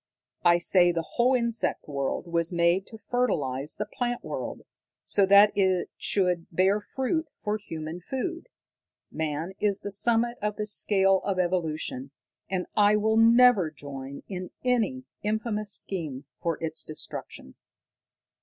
I say the whole insect world was made to fertilize the plant world, so that it should bear fruit for human food. Man is the summit of the scale of evolution, and I will never join in any infamous scheme for his destruction."